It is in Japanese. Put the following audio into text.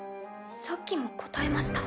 さっきも答えました。